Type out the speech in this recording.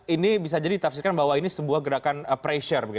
ini bisa jadi ditafsirkan bahwa ini sebuah gerakan pressure